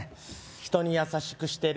人に優しくしてる？